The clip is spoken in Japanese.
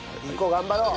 頑張ろう！